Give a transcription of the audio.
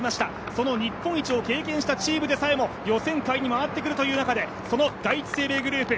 その日本一を経験したチームでさえも予選会に回ってくるという中で、その第一生命グループ